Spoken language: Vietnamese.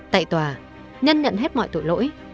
tại tòa nhân nhận hết mọi tội lỗi